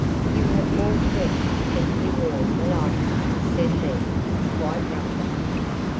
"You have more flesh to keep you warm than I have," said he, quite roughly.